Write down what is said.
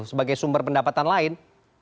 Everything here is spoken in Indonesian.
sebagai sumber pendapatan lain